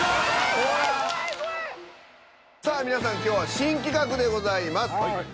さあ皆さん今日は新企画でございます。